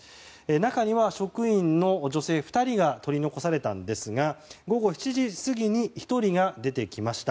中には職員の女性２人が取り残されたんですが午後７時過ぎに１人が出てきました。